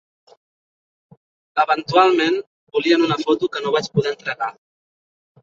Eventualment, volien una foto que no vaig poder entregar.